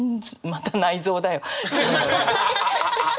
また内臓だよ。